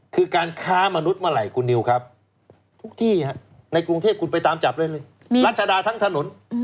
คือการค้ามนุษย์เมื่อไหร่คุณนิวครับทุกที่ในกรุงเทพคุณไปตามจับได้เลยรัชดาทั้งถนน